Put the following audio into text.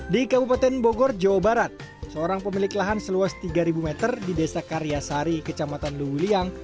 di kabupaten bogor jawa barat seorang pemilik lahan seluas tiga meter di desa karyasari kecamatan luwuliyang